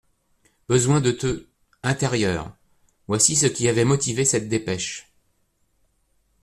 Besoin de te »_Intérieur._» Voici ce qui avait motivé cette dépêche.